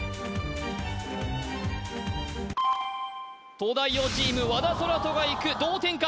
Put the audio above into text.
東大王チーム和田空大がいく同点か？